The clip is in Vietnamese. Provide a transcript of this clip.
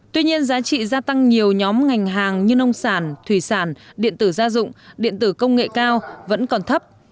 tuy nhiên giá trị gia tăng nhiều nhóm ngành hàng như nông sản thủy sản điện tử gia dụng điện tử công nghệ cao vẫn còn thấp